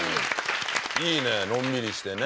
いいねのんびりしてね。